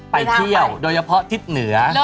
ไปเที่ยวโดยเฉพาะทิศเหนือ